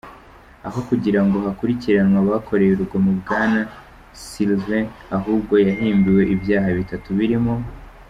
Aho kugirango hakurikiranwe abakoreye urugomo Bwana Sylvain ahubwo yahimbiwe ibyaha bitatu birimo :